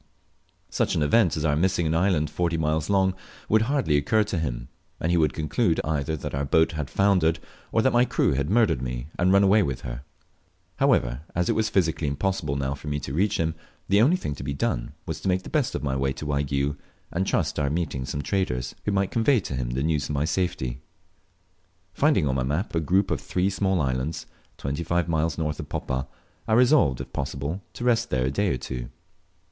Such an event as our missing an island forty miles long would hardly occur to him, and he would conclude either that our boat had foundered, or that my crew had murdered me and run away with her. However, as it was physically impossible now for me to reach him, the only thing to be done was to make the best of my way to Waigiou, and trust to our meeting some traders, who might convey to him the news of my safety. Finding on my map a group of three small islands, twenty five miles north of Poppa, I resolved, if possible, to rest there a day or two.